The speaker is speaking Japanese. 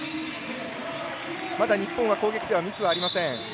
まだ日本は攻撃ではミスはありません。